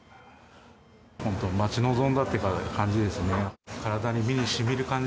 本当、待ち望んだって感じですね。